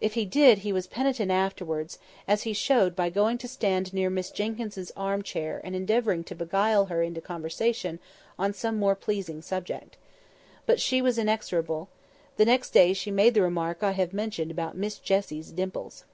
If he did, he was penitent afterwards, as he showed by going to stand near Miss Jenkyns' arm chair, and endeavouring to beguile her into conversation on some more pleasing subject. But she was inexorable. The next day she made the remark I have mentioned about Miss Jessie's dimples.